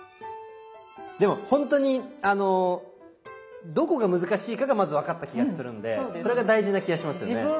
でもほんとにどこが難しいかがまず分かった気がするんでそれが大事な気がしますよね。